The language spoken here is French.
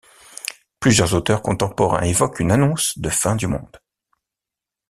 Plusieurs auteurs contemporains évoquent une annonce de fin du monde.